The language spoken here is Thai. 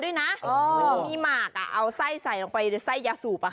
ด้วยนะอ๋อมีหมากอ่ะเอาไส้ใส่ลงไปใส่ยาสูบอ่ะค่ะ